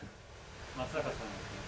松坂さんですよね？